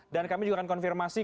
dan kami juga akan konfirmasi